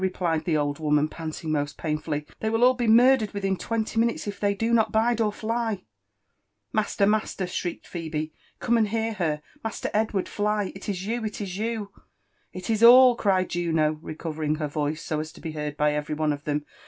replied the poor old w^man, p^ntiRg most painfully ;" Ihcy will all be murdered withiq twenty mjnules if Ihp^ do not hide or fly i" •♦jyiaslerl masler!" shrieked Phehe, come and hear heiplrrrr Master Edward ! fly !— It is you ! it is you 1" U is all/' pried Juno, recovering her vojce so as (o be hoard hy A¥ery one of thom